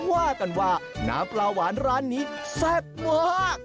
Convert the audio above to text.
ว่ากันว่าน้ำปลาหวานร้านนี้แซ่บมาก